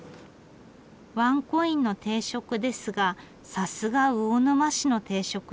ワンコインの定食ですがさすが魚沼市の定食屋さん。